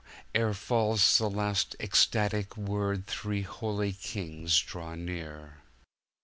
Ere falls the last ecstatic word Three Holy Kings draw near.